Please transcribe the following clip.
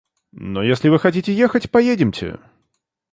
Но если вы хотите ехать, поедемте!